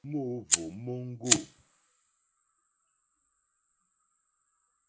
Mòóhwò móŋɡô.